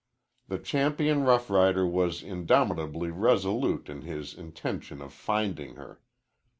The champion rough rider was indomitably resolute in his intention of finding her.